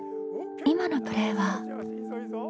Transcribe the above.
今のプレイは。